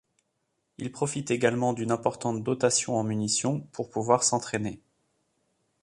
Ils profitent également d'une importante dotation en munitions pour pouvoir s'entraîner.